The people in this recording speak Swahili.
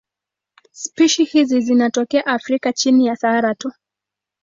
Spishi hizi zinatokea Afrika chini ya Sahara tu.